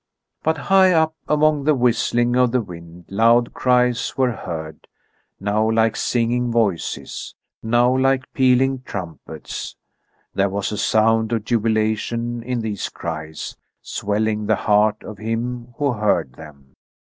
But high up among the whistling of the wind loud cries were heard, now like singing voices, now like pealing trumpets. There was a sound of jubilation in these cries, swelling the heart of him who heard them.